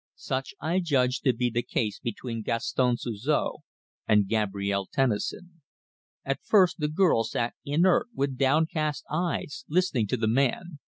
Such I judged to be the case between Gaston Suzor and Gabrielle Tennison. At first the girl sat inert with downcast eyes listening to the man.